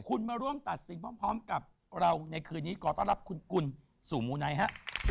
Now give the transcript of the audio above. คุณมาร่วมตัดสินพร้อมกับเราในคืนนี้ขอต้อนรับคุณกุลสู่มูไนท์ฮะ